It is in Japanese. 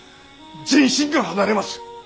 人心が離れます！